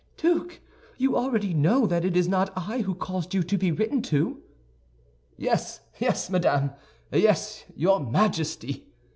"Duke, you already know that it is not I who caused you to be written to." "Yes, yes, madame! Yes, your Majesty!"